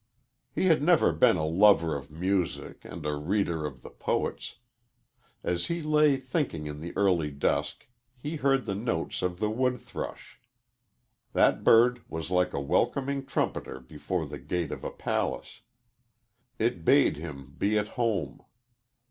He had been a lover of music and a reader of the poets. As he lay thinking in the early dusk he heard the notes of the wood thrush. That bird was like a welcoming trumpeter before the gate of a palace; it bade him be at home.